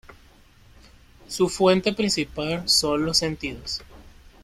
Su fuente principal son los sentidos.